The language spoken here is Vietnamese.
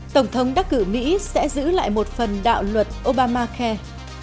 tổng thống đắc cử mỹ sẽ giữ lại một phần đạo luật obama khe